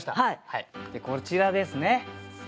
こちらですね